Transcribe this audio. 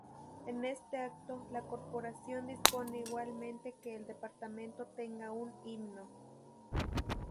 En este acto, la corporación dispone igualmente que el departamento tenga un himno.